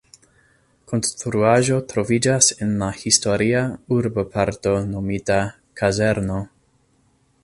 Konstruaĵo troviĝas en la historia urboparto nomita "Kazerno".